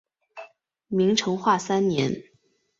明成化三年。